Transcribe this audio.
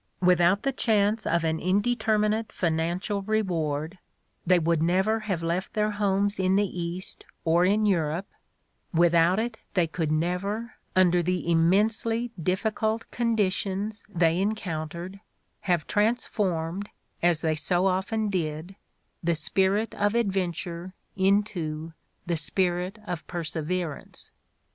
"With out the chance of an indeterminate financial reward, they would never have left their homes in the East or in Europe, without it they could never, under the im mensely difficult conditions they encountered, have transformed, as they so often did, the spirit of adventure into the spirit of perseverance.